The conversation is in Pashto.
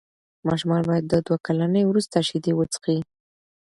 ماشومان باید د دوه کلنۍ وروسته شیدې وڅښي.